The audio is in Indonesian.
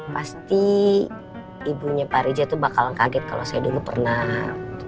pasti ibunya pak reza itu bakal kaget kalau saya dulu pernah